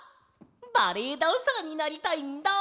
バレエダンサーになりたいんだ！